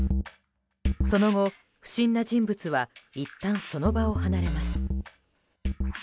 その後、不審な人物はいったんその場を離れます。